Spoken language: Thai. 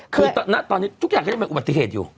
คือตอนนี้ทุกอย่างก็ยังเป็นอุบัติเหตุอยู่